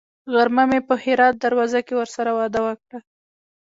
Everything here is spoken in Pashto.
غرمه مې په هرات دروازه کې ورسره وعده وکړه.